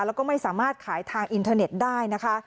แล้วก็ไม่สามารถขายทางอินเทอร์เน็ตได้นะคะ